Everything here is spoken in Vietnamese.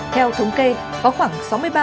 theo thống kê có khoảng sáu mươi ba